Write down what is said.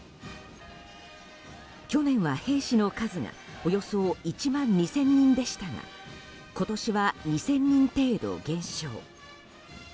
去年は兵士の数がおよそ１万２０００人でしたが今年は２０００人程度減少。